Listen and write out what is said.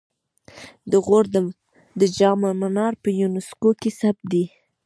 د غور د جام منار په یونسکو کې ثبت دی